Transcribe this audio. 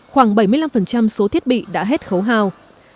khoảng bảy mươi năm số thiết bị đã hết khấu hào